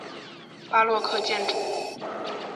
巴洛克建筑。